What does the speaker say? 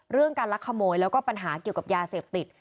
การลักขโมยแล้วก็ปัญหาเกี่ยวกับยาเสพติด